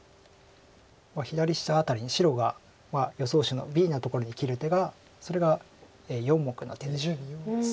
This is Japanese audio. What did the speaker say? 左下辺りに白は予想手のＢのところに切る手がそれが４目の手です。